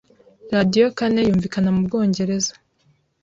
radioKane yumvikana mu Bwongereza